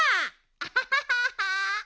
アハハハハ。